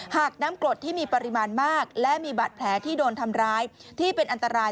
หากน้ำกรดที่มีปริมาณมากและมีบาดแผลที่โดนทำร้ายที่เป็นอันตราย